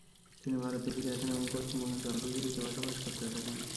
তিনি ভারতে ফিরে আসেন এবং পশ্চিমবঙ্গের জলপাইগুড়িতে বসবাস করতে থাকেন।